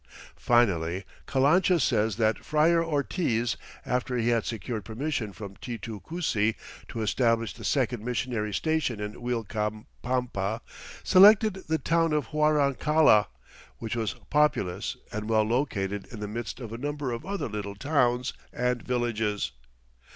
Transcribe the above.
Finally, Calancha says that Friar Ortiz, after he had secured permission from Titu Cusi to establish the second missionary station in Uilcapampa, selected "the town of Huarancalla, which was populous and well located in the midst of a number of other little towns and villages.